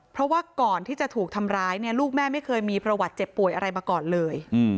เพราะว่าก่อนที่จะถูกทำร้ายเนี่ยลูกแม่ไม่เคยมีประวัติเจ็บป่วยอะไรมาก่อนเลย